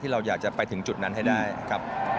เราอยากจะไปถึงจุดนั้นให้ได้ครับ